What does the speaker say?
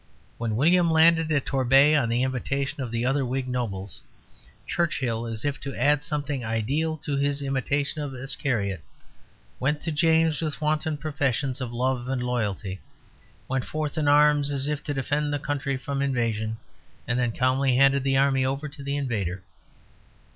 When William landed at Torbay on the invitation of the other Whig nobles, Churchill, as if to add something ideal to his imitation of Iscariot, went to James with wanton professions of love and loyalty, went forth in arms as if to defend the country from invasion, and then calmly handed the army over to the invader.